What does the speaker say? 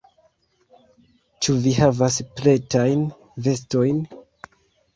Ĉu vi havas pretajn vestojn?